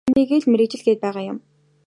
Үүнийгээ л мэргэжил гээд байгаа юм.